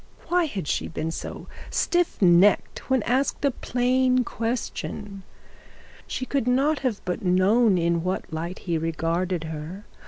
Why had she been so stiff necked when asked a plain question? She could not but have known in what light he regarded her.